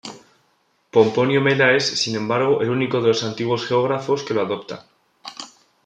Pomponio Mela es, sin embargo, el único de los antiguos geógrafos que lo adopta.